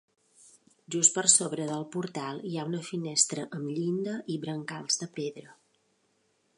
Just per sobre del portal hi ha una finestra amb llinda i brancals de pedra.